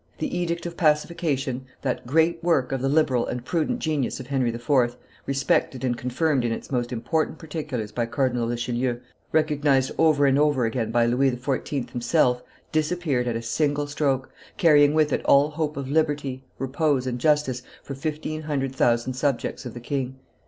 The edict of pacification, that great work of the liberal and prudent genius of Henry IV., respected and confirmed in its most important particulars by Cardinal Richelieu, recognized over and over again by Louis XIV. himself, disappeared at a single stroke, carrying with it all hope of liberty, repose, and justice, for fifteen hundred thousand subjects of the king.